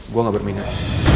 gue gak berminat